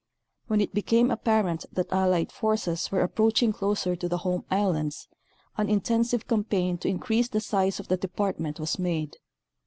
When it became apparent that Allied forces were ap proaching closer to the Home Islands an inten sive campaign to increase the size of the department was made.